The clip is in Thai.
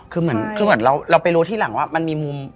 คือเหมือนเราไปรู้ทีหลังว่ามันมีมุม